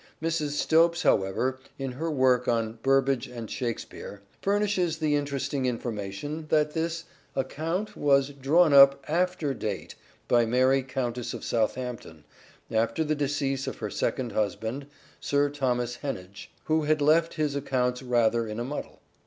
Mrs. Stopes, however, in her work on " Burbage and Shakespeare," furnishes the interesting information that this " account (was) drawn up after date by Mary Countess of Southampton, after the decease of her second husband Sir Thomas Henneage, who had left his accounts rather in a muddle."